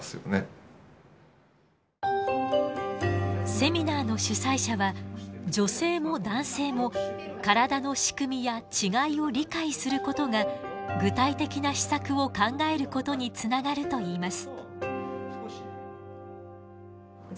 セミナーの主催者は女性も男性も体の仕組みや違いを理解することが具体的な施策を考えることにつながるといいます。